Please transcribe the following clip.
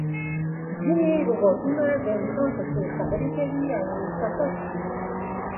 ځینې روباټونه د انسان په څېر خبرې کوي او احساسات ښيي.